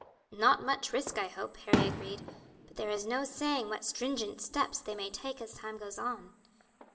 "Not much risk, I hope," Harry agreed; "but there is no saying what stringent steps they may take as time goes on."